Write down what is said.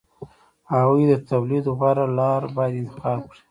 هغوی د تولید غوره لار باید انتخاب کړي